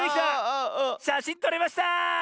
しゃしんとれました！